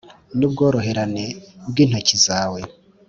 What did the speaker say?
nubworoherane bwintoki zawe.